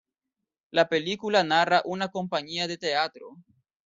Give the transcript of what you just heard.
La película narra una compañía de teatro.